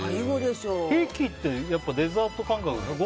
ケーキってデザート感覚ですよね。